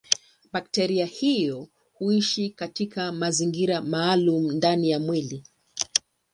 Bakteria hiyo huishi katika mazingira maalumu ndani ya mwili.